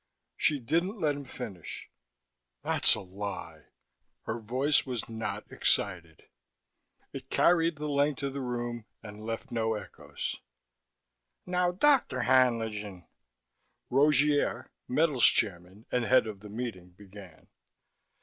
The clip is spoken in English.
She didn't let him finish. "That's a lie." Her voice was not excited. It carried the length of the room, and left no echoes. "Now, Dr. Haenlingen " Rogier, Metals chairman and head of the meeting, began.